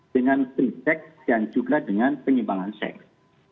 dengan free sex dan juga dengan penyembangan seks